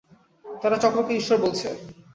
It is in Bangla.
তারা চক্রকে ঈশ্বর বলছে।